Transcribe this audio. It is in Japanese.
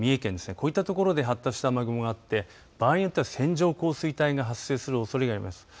こういったところで発達した雨雲があって場合によっては線状降水帯が発生するおそれがあります。